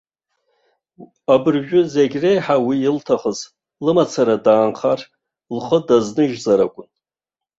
Абыржәы зегь реиҳа уи илҭахыз, лымацара даанхар, лхы дазныжьзар акәын.